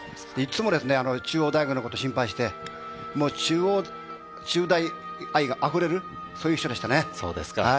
いつも中央大学のことを心配して、中大愛があふれる、そういう人でしたね。